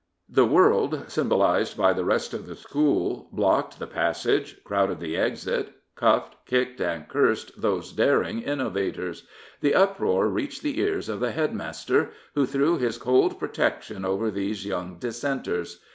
The world, symbolised by the rest of the school, blocked the passage, crowded the exit, cuffed, kicked, and cursed these daring innovators. The uproar reached the ears of the headmaster, who threw his cold protection over these young dissenters.